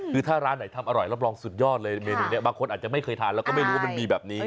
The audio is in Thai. คือถ้าร้านไหนทำอร่อยรับรองสุดยอดเลยเมนูนี้บางคนอาจจะไม่เคยทานแล้วก็ไม่รู้ว่ามันมีแบบนี้